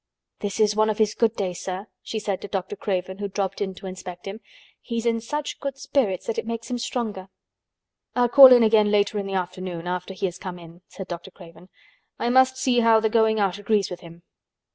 "This is one of his good days, sir," she said to Dr. Craven, who dropped in to inspect him. "He's in such good spirits that it makes him stronger." "I'll call in again later in the afternoon, after he has come in," said Dr. Craven. "I must see how the going out agrees with him.